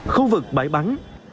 khu vực bãi bắn